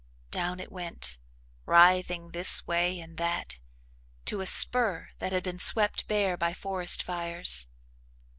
Down it went, writhing this way and that to a spur that had been swept bare by forest fires.